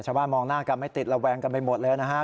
มองหน้ากันไม่ติดระแวงกันไปหมดเลยนะฮะ